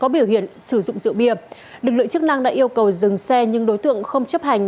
biểu hiện sử dụng rượu bia lực lượng chức năng đã yêu cầu dừng xe nhưng đối tượng không chấp hành